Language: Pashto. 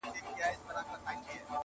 • چي به پورته د غوايی سولې رمباړي -